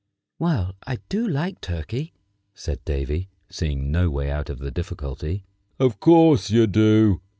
"Well, I do like turkey," said Davy, seeing no way out of the difficulty. "Of course you do!"